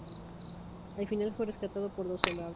Al final fue rescatado por dos soldados.